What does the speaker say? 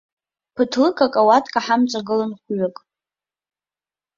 Ԥатлыкак ауатка ҳамҵагылан хәҩык.